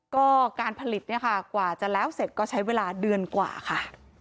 ก็การผลิตเนี่ยค่ะกว่าจะแล้วเสร็จก็ใช้เวลาเดือนกว่าค่ะ